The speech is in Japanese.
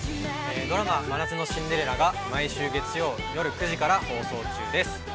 ◆ドラマ「真夏のシンデレラ」が毎週、月曜９時から放送中です。